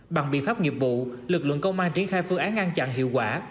bằng biện pháp nghiệp vụ lực lượng công an triển khai phương án ngăn chặn hiệu quả